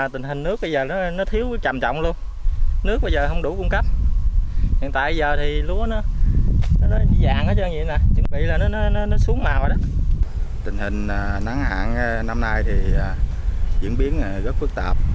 tình hình nắng hạn năm nay diễn biến rất phức tạp